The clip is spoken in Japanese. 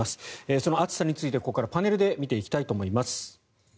その暑さについてここからパネルで見ていきたいと思います。